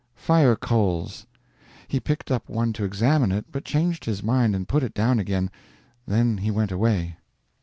"Fire coals." He picked up one to examine it, but changed his mind and put it down again. Then he went away.